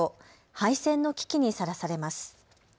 廃線の危機にさらされます。